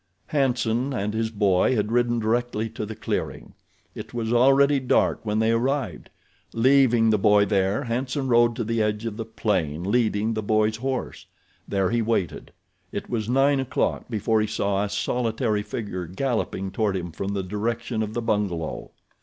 Hanson and his boy had ridden directly to the clearing. It was already dark when they arrived. Leaving the boy there Hanson rode to the edge of the plain, leading the boy's horse. There he waited. It was nine o'clock before he saw a solitary figure galloping toward him from the direction of the bungalow.